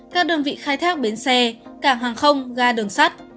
các đơn vị khai thác bến xe cảng hàng không ga đường sắt